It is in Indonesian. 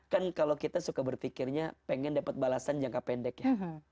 kan kalau kita suka berpikirnya pengen dapat balasan jangka pendek ya